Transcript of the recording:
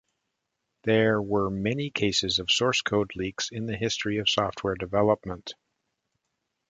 There were many cases of source code leaks in the history of software development.